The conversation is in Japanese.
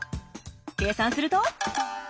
計算すると。